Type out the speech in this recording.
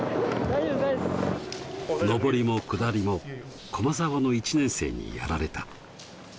上りも下りも駒澤の１年生にやられた。